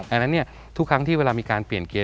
อันนั้นทุกครั้งที่เวลามีการเปลี่ยนเกียร์